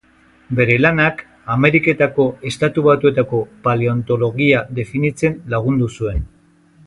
Bere lanak Ameriketako Estatu Batuetako paleontologia definitzen lagun zuen.